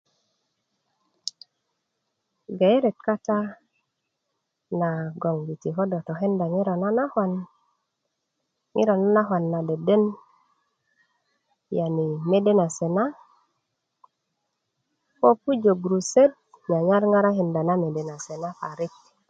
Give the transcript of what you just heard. gayiret kata nagon ko do tokenda ŋiro nanaŋwan ŋiro nanaŋwan deden mede na se na ko pujo gurusutöt nyanyar ŋarakinda na mede na se na parik